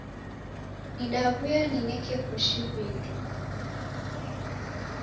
Nidaw'uya nineke koshi vindo